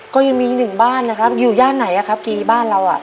ก็ยังมีหนึ่งบ้านนะครับอยู่ย่านไหนอะครับกี่บ้านเราอ่ะ